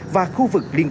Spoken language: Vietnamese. và khu vực